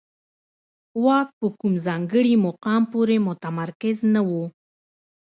واک په کوم ځانګړي مقام پورې متمرکز نه و.